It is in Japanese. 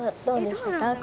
「どうでしたか？」